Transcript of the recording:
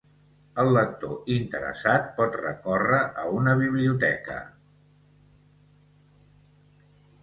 El lector interessat pot recórrer a una biblioteca.